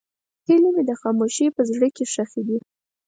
هیلې مې د خاموشۍ په زړه کې ښخې دي.